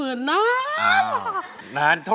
เพลงที่๒นะครับ